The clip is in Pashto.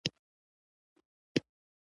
رقیب زما د مبارزې مهمه برخه ده